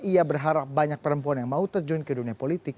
ia berharap banyak perempuan yang mau terjun ke dunia politik